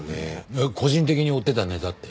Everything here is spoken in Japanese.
えっ個人的に追ってたネタって？